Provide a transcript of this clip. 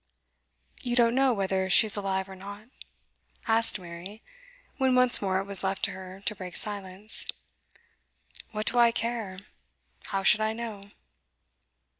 'You don't know whether she's alive or not?' asked Mary, when once more it was left to her to break silence. 'What do I care? How should I know?